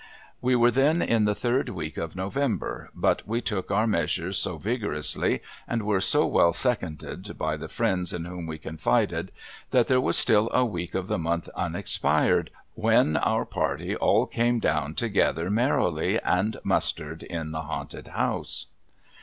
We were then in the third week of November ; but, Ave took our measures so vigorously, and were so well seconded by the friends in whom Ave confided, that there Avas still a Aveek of the month unexpired, Avhen our party all came doAvn together merrily, and mustered in the haunted house.